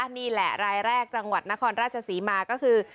นี่แหละรายแรกจังหวัดนครราชศรีมาก็คือ